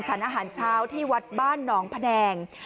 สรรค์อาหารเช้าที่วัดบ้านนองพนัง